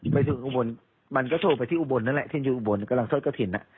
ไปถึงอุบลมันก็โทรไปที่อุบลนั่นแหละที่อยู่อุบลกำลังทอดกระถิ่น